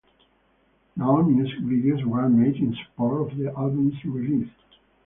No music videos were made in support of the album's release.